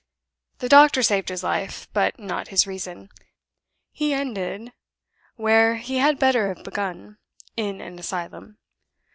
The doctor saved his life, but not his reason; he ended, where he had better have begun, in an asylum.